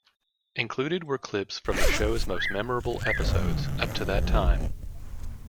Included were clips from the show's most memorable episodes up to that time.